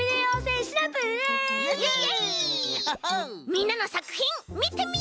みんなのさくひんみてみよう！